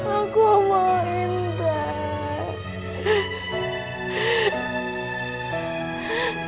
aku mau intan